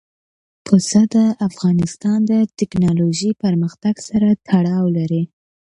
پسه د افغانستان د تکنالوژۍ پرمختګ سره تړاو لري.